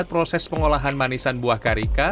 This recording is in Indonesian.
proses pengolahan manisan buah karika